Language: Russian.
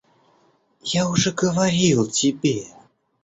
Я уже говорил тебе.